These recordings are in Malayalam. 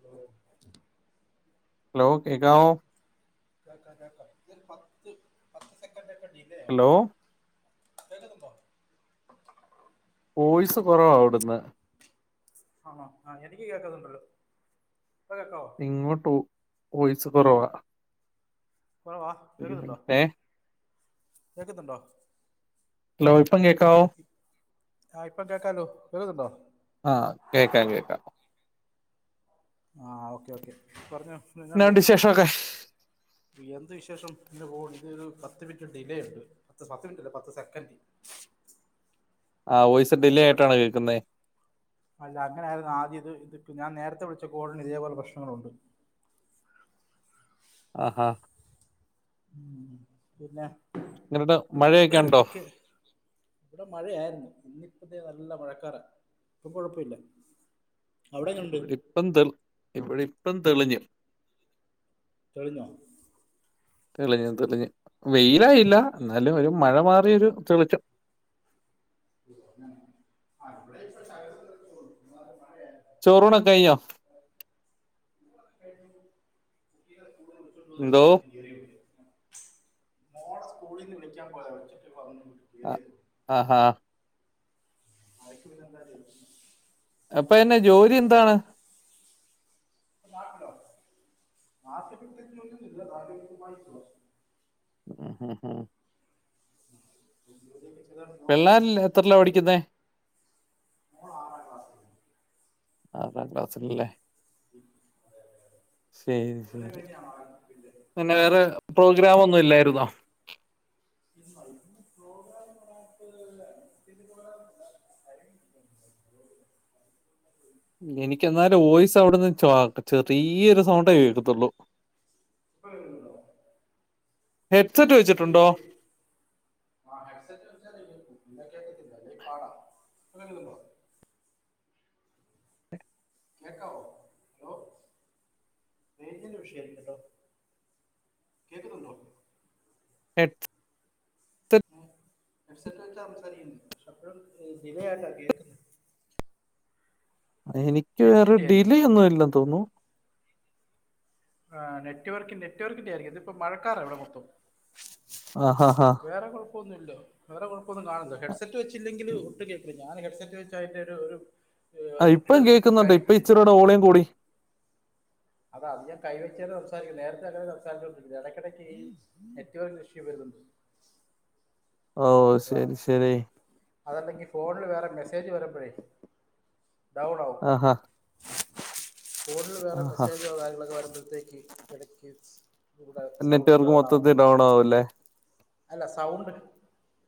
ഹലോ ഹലോ കേൾക്കാവോ? കേൾക്കാം, കേൾക്കാം, ഇത് ഒര് പത്ത് പത്ത് സെക്കൻഡ് ഒക്കെ ഡിലേ ഹലോ ആട്ടോ. കേൾക്കുന്നുണ്ടോ? വോയിസ് കുറവാ അവിടുന്ന്. ആണോ ആ എനിക്ക് കേൾക്കുന്നുണ്ട്. ഇപ്പോ കേൾക്കാവോ? ഇങ്ങോട്ട് വോയിസ് കുറവാ. കുറവാ ഒരു കേൾക്കുന്നുണ്ടോ, മിനിറ്റ് ഏ കേൾ ക്കുന്നുണ്ടോ? ഹലോ ഇപ്പം കേൾക്കാവോ? ആ ഇപ്പം കേൾക്കാലോ, കേൾക്കുന്നുണ്ടോ? ആഹ് കേൾക്കാം, കേൾക്കാം. ആഹ്, ഓക്കെ ഓക്കെ പറഞ്ഞോ, എന്തൊക്കെ എന്നാ ഇണ്ട്? ഉണ്ട് വിശേഷമൊക്കെ എന്ത് വിശേഷം ഇങ്ങനെ പോവുണു, ഇത് ഒരു പത്ത് മിനിറ്റ് ഡിലേ ഉണ്ട് പത്ത് പത്ത് മിനിറ്റ് അല്ല പത്ത് സെക്കൻഡ്. ആഹ് വോയിസ് ഡിലേ അയിന്റെ ആയിട്ടാണ് പ്രശ്നം കേൾക്കുന്നേ അല്ല അങ്ങനെയായിരുന്നു ആദ്യം ഇത്, ഇത് ഇപ്പോ ഞാൻ നേരത്തെ വിളിച്ച കാളിന് ഇതേപോലെ പ്രശ്നങ്ങളുണ്ട്. ആഹാ.., ഉം.., പിന്നെ. ഇങ്ങോട്ട് മഴയൊക്കെ ഉണ്ടോ [unintelligible] ഇവിടെ മഴയായിരുന്നു. ഇന്നിപ്പതെ നല്ല മഴക്കാരാ. ഇപ്പോ കൊഴപ്പമില്ല. ആഹ്, ഇവിടെപ്പം തെ, ഇവിടെപ്പം തെളിഞ്ഞു. തെളിഞ്ഞോ? തെളിഞ്ഞ്, തെളിഞ്ഞ്, വെയിലായില്ല എന്നാലും, ഒരു മഴ- മാറിയൊരു തെളിച്ചം. [unintelligible] [unintelligible] ചോറൂണ് ഒക്കെ കഴിഞ്ഞോ? [unintelligible] എന്തോ മോളെ സ്കൂളിൽ നിന്ന്- വിളിക്കാൻ പോയതാ, വിച്ചിട്ട്- ആഹ്, ആഹ്, ആഹ്.., [unintelligible] അപ്പോ എന്നെ ജോലി എന്താണ്? [unintelligible] ആഹ്, ആഹ്..., പിള്ളേരില്ല എത്രല്ല [inaudible] പഠിക്കുന്നേ [unintelligible] ആറാം ക്ലാസല്ലേ? ശരി, എങ്ങനെ ശരി.., കഴിഞ്ഞാണ് ആറാം ക്ലാസ്സിൽ പിന്നെ വേറെ പ്രോഗ്രാം ഒന്നും- ഇല്ലായിരുന്നോ? [unintelligible] [inaudible] എനിക്ക് എന്നാലും വോയിസ്- അവിടുന്ന് ച, ചെറിയൊരു- സൗണ്ടേകേക്കത്തുള്ളൂ. ഇപ്പോ കേൾക്കുന്നുണ്ടോ? ഹെഡ്സെറ്റ് എടക്ക്- വെച്ചിട്ടുണ്ടോ ആഹ്, ഹെഡ് സെറ്റ് വെച്ചാൽ- കേക്കാൻ പാടാ. കേക്കാവോ? ഹോ.., റെയിഞ്ചിന്റെ വിഷയ കേട്ടോ? കേക്കുന്നുണ്ടോ? [unintelligible] എഡ്സെറ്റ് വെച്ച്- സംസാരിക്കണ്ട് പക്ഷെ- അപ്പോഴും ഡിലേ ആയിട്ടാ കേക്കുന്നേ. എനിക്ക് വേറെ നെറ്റിന്റെ ആയിരിക്കും ഡിലേ ഒന്നുംല്ല- തോന്നുന്നു. ആഹ്..., നെറ്റ് വർക്കിന്റെ നെറ്റ്- വർക്കിന്റെ ആയിരിക്കും. ആഹാ, ഇതിപ്പം മഴക്കാറാഇവിടെ മൊത്തം. ആഹ്, ആഹ്, വേറെ കുഴപ്പമൊന്നുമില്ല. വേറെ കുഴപ്പൊന്നും കാണുന്നില്ല. ഹെഡ്സെറ്റ് വെച്ചില്ലെങ്കില് ഒട്ടും- കേൾക്കില്ല. ഞാൻ ഹെഡ്സെറ്റ് വെച്ച് ഒരു ഒരു- [unintelligible] ഇപ്പോൾ ഓളിയം കൂടി. അതാ, അത് ഞാൻ കൈവെച്ച- സംസാരിക്കുന്നു. നേരത്തെ- അങ്ങനെ സംസാച്ചുകൊണ്ടരിക്ക- ഇടക്കിടക്ക്- നെറ്റ്‌വർക്ക് ഇഷ്യു വരുന്നുണ്ട്. ഓഹ്..., അതാ ശരി, ശരി, അതല്ലെങ്കിൽ ഫോണിൽ വേറെ- മെസ്സേജ് വരുമ്പഴേ ഡൗൺ -ആകും. ആഹാ.., ഫോണിൽ വേറെ ആഹാ മെസ്സേജോ- കാര്യങ്ങളൊക്കെ- വരുമ്പോഴത്തേക്ക് എടക്ക്- കടെ നെറ്റ്വർക്ക് സൗണ്ട്ഡൗൺ ആവുന്ന, മൊത്തത്തിൽ ഡൗൺ ആവൂല്ലേ അല്ല സൗണ്ട്-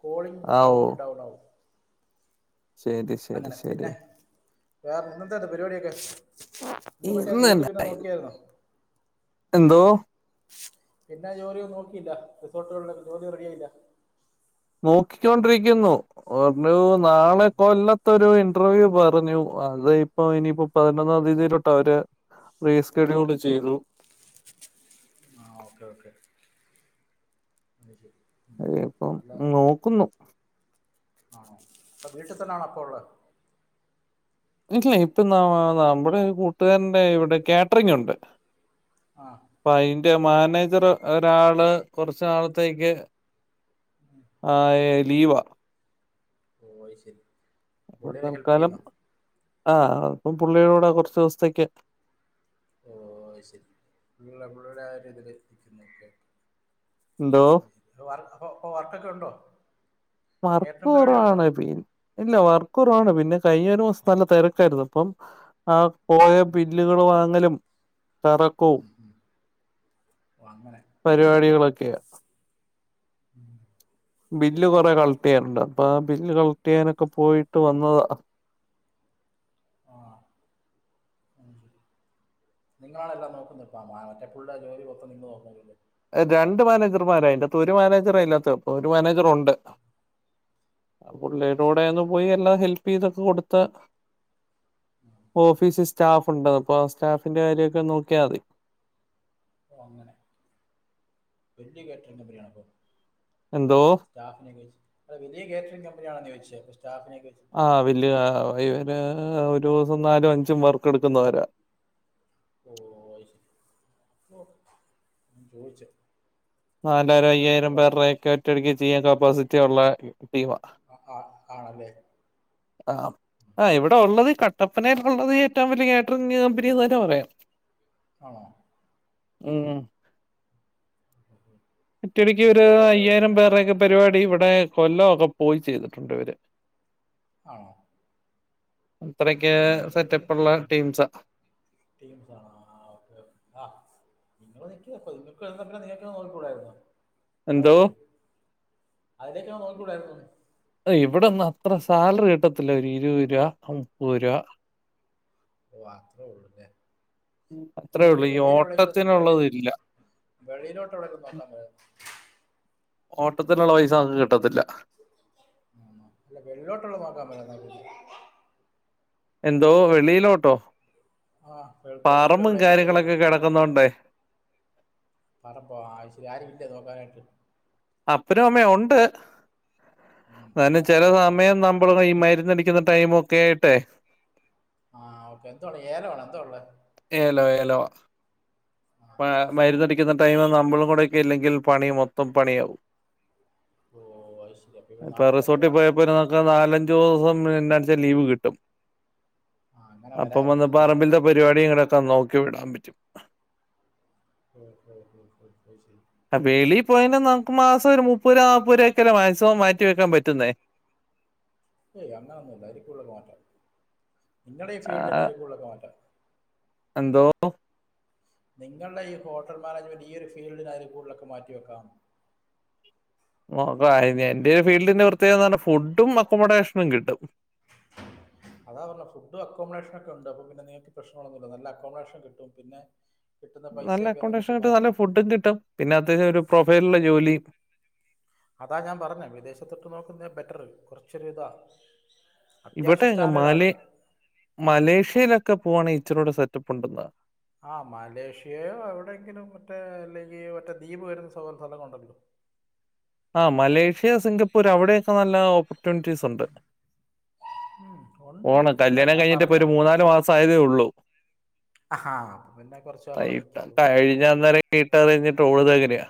കോളിംഗ് ആ ഓ സൗണ്ട് ഡൗൺ ആവും. ശരി ശരി അങ്ങനെ ശരി പിന്നെ വേറെന്ന- എന്താന്തോ പരിപാടിയൊക്കെ? നിങ്ങൾ മറ്റേ ഇന്ന് ജോലി പിന്നെ എന്നാ- നോക്കിയായിരു ന്നോ എന്തോ പിന്നെ ജോലിയൊന്നും നോക്കിയില്ല റിസോർട്ടുകളിലൊക്കെ ജോലി റെഡി ആയില്ല നോക്കിക്കൊണ്ടിരിക്കുന്നു പറഞ്ഞു നാളെ കൊല്ല ഇത്ത ഒരു ഇന്റർവ്യൂ പറഞ്ഞു അത് ഇപ്പോ ഇനിയിപ്പോ പതിനൊന്നാം തീയതിയിലോട്ട് അവര് റേസ്കെഡ്യൂൾ ചെയ്തു ആ ഓക്കെ ഓക്കെ അഹ് ശരി അതെ അപ്പം നല്ല നോക്കുന്നു ആണോ അപ്പൊ വീട്ടിൽ തന്നെയാണ് അപ്പൊ ഉള്ളത് ഇല്ല ഇപ്പൊ ന നമ്മുടെ കൂട്ടുകാരന്റെ ഇവിടെ കാറ്ററിംഗ് ഉണ്ട് ആഹ് അപ്പൊ അയിന്റെ മാനേജർ ഒരാള് കുറച്ച് നാളത്തേക്ക് ആഹ് ലീവാ ഓയി ശരി അപ്പ പുള്ളിനെ ഹെൽപ്പ് തൽക്കാലം ചെയ്യുന്നോ ആ ഇപ്പം പുള്ളിയൂടെ കുറച്ച് ദിവസത്തേക്ക് ഓ ശരി പിള്ള പിള്ളടെ ആ ഒരു ഇതില് നിക്കുന്നു ഓക്കെ എന്തോ അ അപ്പൊ വർക്ക് ഒകെ ഉണ്ടോ വർക്ക് കേറ്ററിംഗ് പരിപാടി ഉണ്ടോ കുറവാണ് പി ഇല്ല വർക്ക് കുറവാണ് പിന്നെ കഴിഞ്ഞ ഒരു മാസം നല്ല തിരക്കായിരുന്നു അപ്പം ആ പോയ ബില്ലുകൾ വാങ്ങലും കറക്കവും ഉ വങ്ങന പരിപാടികളൊക്കെയ ബില്ല് പിന്നെ കൊറെ കള ക്റ്റ് ചെയ്യാനുണ്ട് അപ്പൊ ആ ബില്ല് കളക്ട് ചെയ്യാനൊക്കെ പോയിട്ട് വന്നതാ ആ നിങ്ങളാണെല്ലാം നോക്കുന്നത് ഇപ്പം മറ്റേ [unintelligible] ജോലി മൊത്തം നിങ്ങൾ നോക്കുന്നല്ലേ രണ്ട് മാനേജർമാര അഇൻ്റെകത്ത് ഒരു മാനേജർ ഇല്ലാത്ത ഇപ്പൊ ഒരു മാനേജർണ്ട് ഓ അത് പുള്ളിയുടെ കൂടെ ശരി പോയി എല്ലാം ഹെല്പ് ചെയ്തൊക്കെ കൊടുത്ത് ഓഫീസിൽ സ്റ്റാഫ് ഉണ്ട് അപ്പൊ ആ സ്റ്റാഫിന്റെ കാര്യമൊക്കെ നോക്കിയാൽ മതി അപ്പോ അങ്ങനെ വല്ല്യ കാറ്ററിംഗ് കമ്പനി ആണോ അപ്പൊ എന്തോ സ്റ്റാഫിനെക്കെച്ച് അല്ല വലിയ കാറ്ററിങ് കമ്പനിയാണ ചോദിച്ചത് സ്റ്റാഫിനെക്ക വച്ചത് ആഹ് വലിയതാ ഇവര് ഒരു ദിവസം നാലും അഞ്ചും വർക്ക് എടുക്കുന്നവരാ ഓ അഹ് ശരി ചോദിച്ച നാലായിരം അയ്യായിരം പേരുടെക്കെ ഒറ്റയടിക്ക് ചെയ്യാൻ കപ്പാസിറ്റി ഉള്ള ടീം ആ അ ആ ആണല്ലേ ആഹ് ആഹ് ഇവിടെ ഉള്ളതീ കട്ടപ്പനേൽ ഉള്ളതീ ഏറ്റവും വലിയ കാറ്ററിങ് കമ്പനീന്ന് തന്നെ പറയാം ആണോ ഉം ഉം [unintelligible] ഒറ്റടിക്ക് ഒരു വലിയവരുടെ എല്ലാം അയ്യായിരം പേരുടെക്കെ പരിപാടി ഇവിടെ കൊല്ലം ഒക്കെ പോയി ചെയ്തിട്ടുണ്ട് ഇവര് ആണോ അത്രക്കെ സെറ്റപ്പുള്ള ടീംസാ ടീംസ് ആഹ് ഓക്കെ ഓക്കേ ആഹ് എനിക്ക് [unintelligible] നിങ്ങക്ക് [unintelligible] നിങ്ങക്ക് നോക്കികൂടായിരുന്നോ എന്തോ അതിലേ അതിലേക്ക് നോക്കിക്കൂടായിരുന്നോ. ഇവിടൊന്നും അത്ര സാലറി കിട്ടത്തില്ല ഒരു ഇരുപത് രൂപ മുപ്പത് രൂപ. ഓഹ് അത്രേള്ളു ല്ലേ. അത്രേ അല്ലേ ഉള്ളൂ പിന്നെ ഈ വെളിൽ എവിടെങ്കിലും വെളി ഓട്ടത്തിനുള്ളത് ഇല്ല വെളിയിലോട്ട് എവിടെക്കും നോക്കാൻ മേലായിരുന്നോ. ഓട്ടത്തിനുള്ള പൈസ അതൊന്നും കിട്ടത്തില്ല. ആണോ അല്ല വെളിലോട്ടുള്ളത് നോക്കാൻ മേലാരുന്നോ. എന്തോ വെളിയിലോട്ടോ ആ ഗൾ- ഗൾഫിൽ പറമ്പും എവിടെ അയ്യോ കാര്യങ്ങളൊക്കെ കിടക്കുന്നോണ്ടേ. പറമ്പോ ആയ്ശരി ആരുമില്ലേ നോക്കാനായിട്ട്. അപ്പനും അമ്മേ ഉണ്ട് ഉം, ന്നാലും എന്നാലും ചില നോക്കണം സമയം നമ്മൾ ഈ മരുന്നടി ക്കുന്ന ടൈമ് ഒക്കെ ആയിട്ടെ. ആഹ് ഓക്കെ എന്തുവാടെ ഏലം ആണോ എന്താ ഉള്ളേ. ഏലം ഏലവാ. ആ ആഹ് ഓക്കെ ഓക്കെ മരുന്നടിക്കുന്ന ടൈമ് നമ്മളും കൂടെക്കെ ഇല്ലെങ്കിൽ പണി മൊത്തം പണിയാവും. ഓ അത് ശരി അപ്പൊ ഇവിടെ ഇപ്പൊ നാട്ടിൽ തന്നെ റിസോർട്ടിൽ വേണം പോയപ്പോരിന്നു നാലഞ്ച് ദിവസം [unintelligible] ലീവ് കിട്ടും ആ അങ്ങനെ അപ്പം വരായിരുന്നു വന്ന് അല്ലേ പറമ്പിൽത്തെ പരിപാടി [unintelligible] നോക്കി വിടാൻ പറ്റും. ആഹ് ആഹ് ആഹ് അഹ്ശരി ആ വെളിയിൽ പോയിന നമുക്ക് മാസം ഒരു മുപ്പത്‌ രൂപ നാപ്പത് രൂപ ഒക്കല്ലേ മാക്സിമം മാറ്റിവെക്കാൻ പറ്റുന്നേ. ഏയ് അങ്ങനൊന്നുല്ല അയിൽ കൂടുതലൊക്കെ മാറ്റ നിങ്ങടെ ആ, ഫീൽഡിൽ അയിൽ കൂടുതലൊക്കെ മാറ്റ. എന്തോ. നിങ്ങളുടെ ഈ ഹോട്ടൽ മാനേജ്മെന്റ് ഈയൊരു ഫീൽഡിൽ ആയിരിൽ കൂടുതലൊക്കെ മാറ്റി വെക്കാം. നോക്കായിനി എന്റെ ഈ ഫീൽഡിന്റെ പ്രത്യേകത പറഞ്ഞാ ഫുഡും അക്കോമഡേഷനും കിട്ടും. അതാ പറഞ്ഞത് ഫുഡും അക്കോമഡേഷനും ഒക്കെ ഉണ്ട്. അപ്പോ പിന്നെ നിങ്ങക്ക് പ്രശ്നങ്ങളൊന്നുല്ല നല്ല അക്കോമഡേഷൻ കിട്ടും പിന്നെ കിട്ടുന്ന നല്ല പൈസയൊക്കെ നമുക്ക് അക്കോമഡേഷനും കിട്ടും മാറ്റി നല്ല വെക്കാം ഫുഡും കിട്ടും പിന്നെ അത്യാവശ്യം ഒരു പ്രൊഫൈലുള്ള ജോലി അതാ ഞാൻ പറഞ്ഞത് വിദേശത്തൊക്കെ നോക്കുന്നേ ബെറ്റർ കുറച്ചൊരു ഇതാ. അത്യാവശ്യ ഇവിടെ സ്റ്റാന്റേർഡ്‌ ആണ്. മലേ മലേഷ്യയിലൊക്കെ പോവാണ് ഈച്ചിറോടെ സെറ്റപ്പ് ഉണ്ടെന്നാ. ആഹ് മലേഷ്യയോ എവിടെയെങ്കിലും മറ്റേ അല്ലെങ്കിൽ മറ്റേ ദ്വീപ് വരുന്ന [unintelligible] ഉണ്ടല്ലോ. ആഹ് മലേഷ്യ, സിംഗപ്പൂർ അവിടെ ഒക്കെ നല്ല ഓപ്പർച്യൂണിറ്റീസ് ഉണ്ട്. ഉം, ഉണ്ട് പോണം അല്ല കല്യാണം ഞാൻ കഴിഞ്ഞിട്ട് പറഞ്ഞ ഇപ്പോ ഒരു മൂന്നാലു മാസം ആയതേ ഉള്ളൂ. ആഹാ അപ്പൊ പിന്നെ കുറച്ചു കാലം ഇവിടെ നിൽക്കും ട്ട ഇപ്പം കഴിഞ്ഞ അന്നേരം വീട്ടാരൊക്കെ ഇട്ട് ഓടുന്നതെങ്ങനെയാ.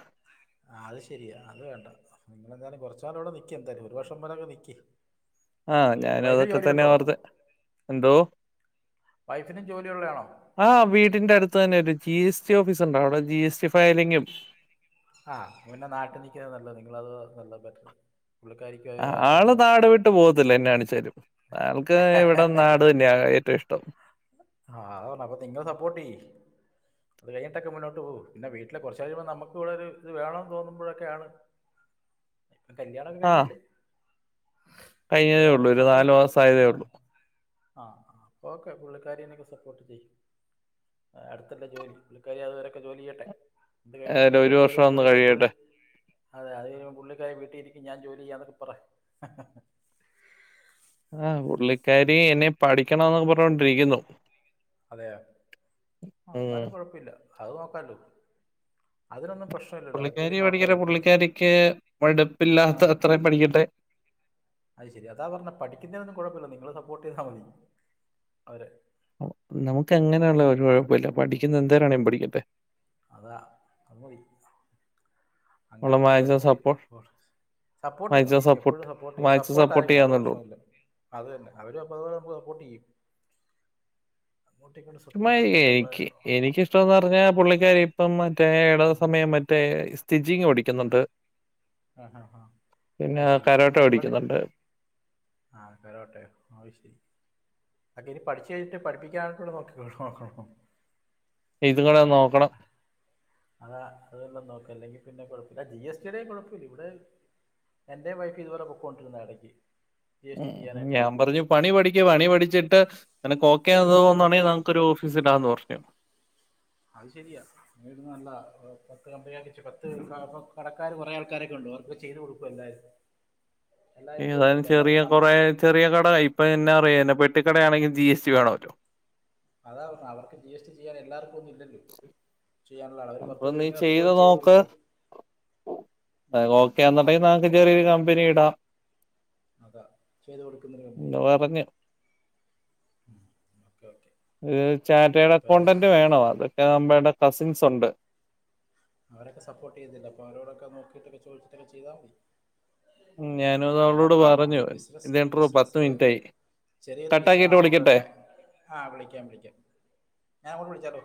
അത് ശരിയാ അത് വേണ്ട. നിങ്ങളെന്തായാലും കുറച്ച് നാളവിടെ നിക്കി എന്താലും ഒരു വർഷം പോലോക്കെ നിക്കി. ആഹ് ഞാനും അതൊക്കെ തന്നെ ഓർത്തത് എന്തോ? വൈഫിനും ജോലിയുള്ളയാണോ? ആഹ് വീടിന്റെ അടുത്ത് തന്നെ ഒരു ജി എസ് ടി ഓഫീസ് ഉണ്ട് അവിടെ ജി എസ് ടി ഫയലിങ്ങും ആഹ് അപ്പോ പിന്നെ നാട്ടിൽ നിക്കനല്ലേ നല്ലത് നിങ്ങളത് അത് നല്ല ബെറ്റർ. പുള്ളിക്കാരിക്കോ. ആഹ് ആള് നാട് വിട്ട് പോവത്തില്ല എന്നാകാണിച്ചാലും. അവൾക്ക് ഇവിടെ നാട് തന്നെയാ ഏറ്റവും ഇഷ്ടം. ആഹ് അതാ പറഞ്ഞേ അപ്പോ നിങ്ങൾ സപ്പോർട്ട് ചെയ്യി. അത് കഴിഞ്ഞിട്ടക്കെ മുന്നോട്ട് പോവ് പിന്നെ വീട്ടിലെ കുറച്ച് കഴിയുമ്പോ നമുക്ക് ഇവിടെ ഒരുത് വേണം തോന്നുമ്പഴൊക്കെയാണ് കല്യാണം ഒക്കെ ആ കഴിഞ്ഞല്ലേ. കഴിഞ്ഞതേ ഉള്ളൂ. അവരവിടക്കെ ഒരു സപ്പോർട്ട് ചെയ്യ് മാസായതേ ആഹ് ഉള്ളൂ. ആഹ് അപ്പൊ ഓക്കെ. ക്കെ പുള്ളിക്കാരി ആയിനൊക്കെ സപ്പോർട്ട് ചെയ്യും. അടുത്തല്ലേ ജോലി പുള്ളിക്കാരി അതുവരക്കെ ജോലി ചെയ്യട്ടെ. ഇത് കഴിയുമ്പോ ഏതായാലും ഒരു നിങ്ങക്കൊരു ജോലി വർഷം ഒന്ന് പുള്ളിക്കാരി പുള്ളി കഴിയട്ടെ. അതെ അത് കഴിയുമ്പോ പുള്ളിക്കാരി വീട്ടിരിക്കും ഞാൻ ജോലി ചെയ്യാന്നൊക്കെ പറ. ആഹ് ഉം. പുള്ളിക്കാരി എനി പഠിക്കണോന്നൊക്കെ പറഞ്ഞോണ്ടിരിക്കുന്നു അതെയാ. ഉം. എന്നാലും കുഴപ്പില്ല അത് നോക്കാല്ലോ അതിനൊന്നും പ്രശ് പുള്ളിക്കാരി പഠിക്കട്ടെ. പുള്ളിക്കാരിക്ക് ആ മടുപ്പില്ലാത്ത അത്രയും പഠിക്കട്ടെ. അത് ശെരി. അതാ പറഞ്ഞെ പഠിക്ക്ന്നേനൊന്നും കുഴപ്പ ഇല്ല. നിങ്ങള് സപ്പോർട്ട് ചെയ്താ മതി അവരെ. നമുക്ക് അങ്ങനെയുള്ള ഒരു കുഴപ്പ ഇല്ല. പഠിക്കുന്ന എന്തേരാണെങ്കിലും പഠിക്കട്ടെ. അതാ അത് മതി. അങ്ങനെ അവളെ അങ്ങോട്ട് മാക്സിമം പഠിച്ച് സപ്പോർട്ട് സപ്പോട്ട് ചെയ്യണം മാക്സിമം എപ്പോഴും സപ്പോർട്ട് ചെയ്യണം മാക്സിമം സപ്പോർട്ട് ആയിരിക്കണം അത് ചെയ്യാന്നുള്ളൂ. പ്രശ്നല്ല. അത് തന്നെ അവര് അപ്പ അത് പോലെ സപ്പോട്ടിയ്യും അങ്ങോട്ടും ഇങ്ങോട്ടും സ ചുമ്മാ യ്ൻക്ക് എനിക്ക് ഇഷ്ടമെന്ന് പറഞ്ഞാ പുള്ളിക്കാരി ഇപ്പം മറ്റേ ഇടത് സമയം മറ്റേ സ്റ്റിജിങ് പഠിക്കുന്നുണ്ട്. ആഹ് ഹാ ഹാ. പിന്നെ അത് ശരി. കരാട്ടെ ആഹ് ഇബടെ പഠിക്കുന്നുണ്ട്. [unintelligible] ആഹ് ശരി അക്കെ ഇനി പഠിച്ച് കഴിഞ്ഞിട്ട് പഠപ്പിക്കാനായിട്ടുള്ള നോക്കിക്കോള്ളണോ നോക്കണോ ഇതും കൂടെ നോക്കണം അതാ അതെല്ലാം നോക്കാ അല്ലെങ്കിൽ പിന്നെ കുഴപ്പ ഇല്ല. ജി എസ് ടി ടെയും കുഴപ്പ ഇല്ല. ഇവടെ എൻ്റെം വൈഫ് ഇതുപോലെ പോക്കൊണ്ടിരുന്നാ എടക്ക്. ഉം ഞാൻ പറഞ്ഞു പണി പഠിക്ക് പണി പഠിച്ചിട്ട് നിനക്ക് ഓക്കെ ആണ് തോന്നുണ്ടെങ്കിൽ നമ് ക്കൊരു ഓഫീസിടാ ന്ന് പറഞ്ഞു. അത് ശരിയാ. നല്ലതാ പത്ത് കമ്പനി പത്ത് കടക്കാര് കുറെ ആൾക്കാരൊക്കെ ഉണ്ട്. വർക്ക് ചെയ്ത് കൊടുക്കും എല്ലാരും ഏതായാലും ചെറിയ നമ്പർ കുറേ ചെറിയ കട ഇപ്പ എന്നാ അറിയാനാ പെട്ടിക്കടയാണെങ്കി ജി എസ് ടി വേണോല്ലോ. അതാ പറഞ്ഞെ അവർക്ക് ജി എസ് ടി ചെയ്യാൻ എല്ലാർക്കും ഒന്നും ഇല്ലല്ലോ ചെയ്യാനുള്ള ആളുകൾ. ഒര് അപ്പൊ പത്ത് നീ പേരിങ്ങനെ എപ്പോഴും ചെയ്ത് നോക്ക്. കൊടുക്കോല്ലോ ചെറ്യൊരു കമ്പനി ഇടാം അതാ ചെയ്ത് കൊടുക്കുന്നൊര് കമ്പനി എന്ന് പറഞ്ഞു. ആഹ് ഓക്കെ ഓക്കെ ഏഹ് ചാറ്റേഡ് അപ്പോൾ അക്കൗണ്ടന്റ് വേണോ അതൊക്കെ നമ്മൾടെ കസിൻസുണ്ട്. അവരൊക്കെ സപ്പോർട്ട് ചെയ്യത്തില്ലെ അപ്പോ അവരോടൊക്കെ നോക്കിട്ടൊക്കെ ചോയ്ച്ചിട്ടൊക്കെ ചെയ്താ മതി. ഉം. ഞാനും അത് അവളോട് നോക്കാം. ഒര് പറഞ്ഞു. ബിസ് ഇത് ഇൻട്രോ പത്ത് ബിസിനസ് ല് മിനിറ്റായി. ചെറിയൊരു ബിസിനസ് കട്ടാക്കിയിട്ട് ആഹ് ഓക്കെ വിളിക്കട്ടെ? ഓക്കെ ആഹ് വിളിക്കാം വിളിക്കാം ഞാൻ അങ്ങോട്ട് വിളിച്ചാലോ